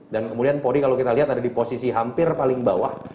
dan kemudian polri kalau kita lihat ada di posisi hampir paling bawah